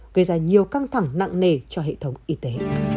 gây ra nhiều căng thẳng nặng nề cho hệ thống y tế